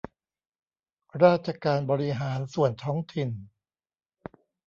ราชการบริหารส่วนท้องถิ่น